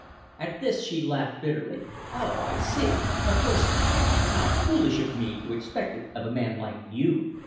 At this she laughed bitterly, "Oh, I see. Of course not. How foolish of me to expect it of a man like you.